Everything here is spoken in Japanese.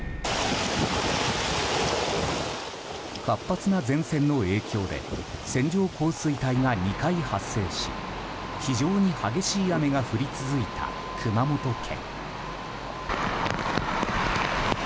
活発な前線の影響で線状降水帯が２回発生し非常に激しい雨が降り続いた熊本県。